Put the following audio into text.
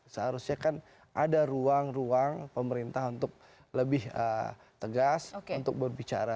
seharusnya kan ada ruang ruang pemerintah untuk lebih tegas untuk berbicara